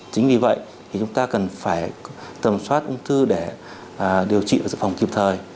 chính vì vậy thì chúng ta cần phải tầm soát ung thư để điều trị và dự phòng kịp thời